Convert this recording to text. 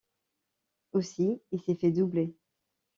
Aussi, il s'est fait doubler.